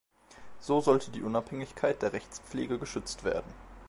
So sollte die Unabhängigkeit der Rechtspflege geschützt werden.